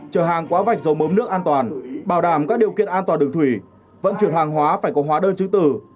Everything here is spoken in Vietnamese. chở hàng quá vạch dầu mấm nước an toàn bảo đảm các điều kiện an toàn đường thủy vận chuyển hàng hóa phải có hóa đơn chứng tử